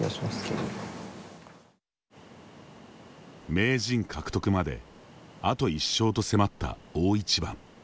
名人獲得まであと１勝と迫った大一番。